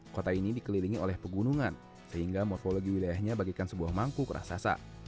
kota ini dikelilingi oleh pegunungan sehingga morfologi wilayahnya bagikan sebuah mangkuk raksasa